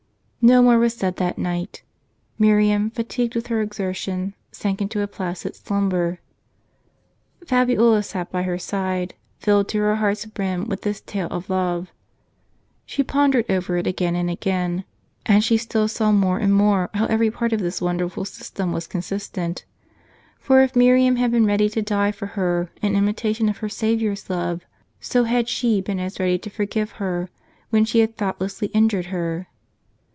" No more was said that night. Miriam, fatigued wdth her exertion, sank into a placid slumber. Fabiola sat by her side, filled to her heart's brim with this tale of love. She pon dered over it again and again ; and she still saw more and more how every part of this wonderful system was consistent. For if Miriam had been ready to die for her, in imitation of her Saviour's love, so had she been as ready to forgive her, when she had thoughtlessly injured her.